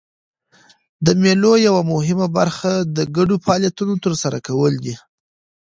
د مېلو یوه مهمه برخه د ګډو فعالیتونو ترسره کول دي.